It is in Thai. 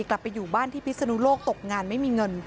กลับไปอยู่บ้านที่พิศนุโลกตกงานไม่มีเงิน